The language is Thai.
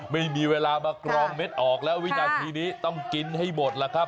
ไม่มีเวลามากรองเม็ดออกแล้ววินาทีนี้ต้องกินให้หมดล่ะครับ